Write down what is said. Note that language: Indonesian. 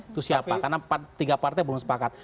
itu siapa karena tiga partai belum sepakat